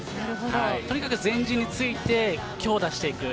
とにかく前陣について強打していく。